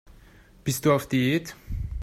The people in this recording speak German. Bist du auf Diät?